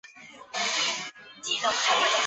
这出歌剧的第一部也是他第一部歌剧作品。